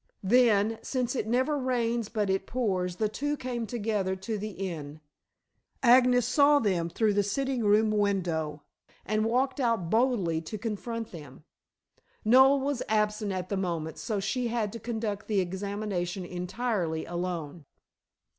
Then since it never rains but it pours the two came together to the inn. Agnes saw them through the sitting room window, and walked out boldly to confront them. Noel was absent at the moment, so she had to conduct the examination entirely alone.